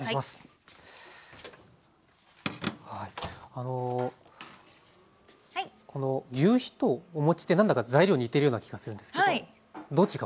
あのぎゅうひとお餅って何だか材料似てるような気がするんですけどどう違うんですか？